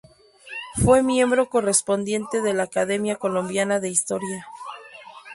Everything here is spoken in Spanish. Fue miembro correspondiente de la Academia Colombiana de Historia.